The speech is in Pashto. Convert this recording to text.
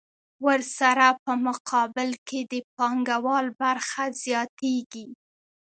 ورسره په مقابل کې د پانګوال برخه زیاتېږي